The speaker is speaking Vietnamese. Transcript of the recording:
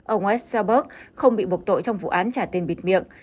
ông esburg không bị buộc tội trong vụ án trả tiền bịt miệng